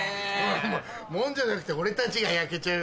もんじゃじゃなくて俺たちが焼けちゃうよな。